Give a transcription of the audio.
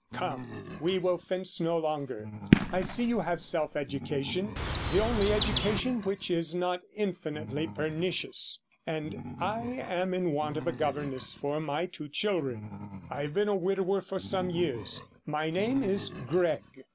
Come, we will fence no longer. I see you have self education, the only education which is not infinitely pernicious and I am in want of a governess for my two children. I have been a widower for some years; my name is Gregg.